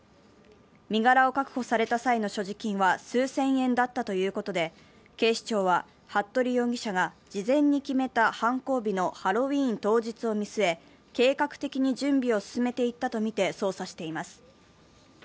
身柄を確保された際の所持金は数千円だったということで警視庁は服部容疑者が事前に決めた犯行日のハロウィーン当日を見据え、計画的に準備を進めていったとみて捜査しています。